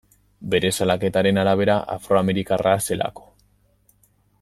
Bere salaketaren arabera, afroamerikarra zelako.